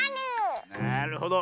なるほど。